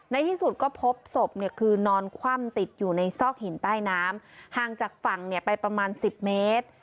ในที่สุดก็พบศพเนี่ยคือนอนคว่ำติดอยู่ในซอกหินใต้น้ำห่างจากฝั่งไปประมาณ๑๐เมตร